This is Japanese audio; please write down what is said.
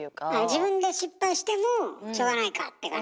自分で失敗してもしょうがないかって感じ？